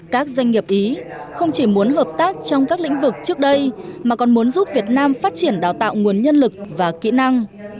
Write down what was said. các doanh nghiệp ý không chỉ muốn hợp tác trong các lĩnh vực trước đây mà còn muốn giúp việt nam phát triển đào tạo nguồn nhân lực và kỹ năng